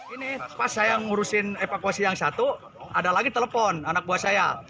ini pas saya ngurusin evakuasi yang satu ada lagi telepon anak buah saya